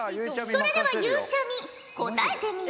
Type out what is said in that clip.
それではゆうちゃみ答えてみよ。